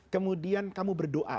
kemudian kamu berdoa